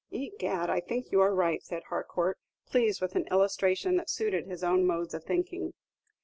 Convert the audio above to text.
"Egad! I think you are right," said Harcourt, pleased with an illustration that suited his own modes of thinking.